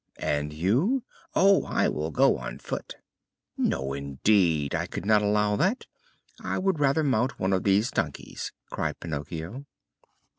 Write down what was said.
"And you?" "Oh, I will go on foot." "No, indeed, I could not allow that. I would rather mount one of these donkeys," cried Pinocchio.